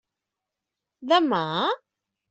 Demà?